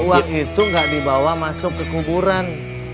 uang itu nggak dibawa masuk ke kuburan